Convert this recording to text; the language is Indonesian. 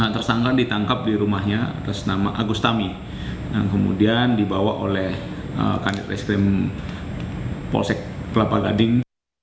tersangka ditangkap di rumahnya atas nama agustami yang kemudian dibawa oleh kanit reskrim polsek kelapa gading